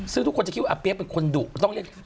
ซึ่งทุกคนจะคิดว่าอาเปี๊ยกเป็นคนดุก็ต้องเรียก